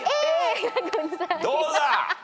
どうだ？